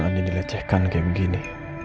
andi dilecehkan kayak begini